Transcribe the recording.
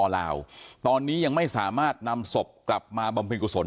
ลาวตอนนี้ยังไม่สามารถนำศพกลับมาบำเพ็ญกุศล